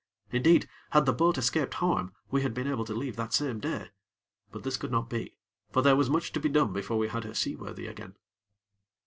Indeed, had the boat escaped harm, we had been able to leave that same day; but this could not be; for there was much to be done before we had her seaworthy again.